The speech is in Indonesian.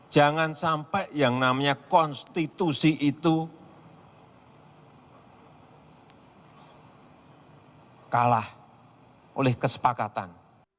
jangan sampai yang namanya konstitusi itu kalah oleh kesepakatan